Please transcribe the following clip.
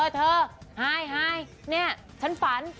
เธอหายเนี่ยฉันฝัน